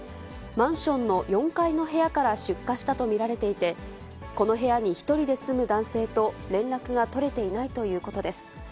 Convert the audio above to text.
マンションの４階の部屋から出火したと見られていて、この部屋に１人で住む男性と連絡が取れていないということです。